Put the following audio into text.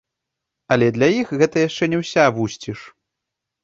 Але для іх гэта яшчэ не ўся вусціш.